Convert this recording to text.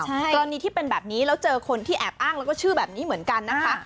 กรณีที่เป็นแบบนี้แล้วเจอคนที่แอบอ้างแล้วก็ชื่อแบบนี้เหมือนกันนะคะ